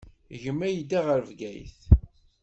Gma yedda ɣer Bgayet.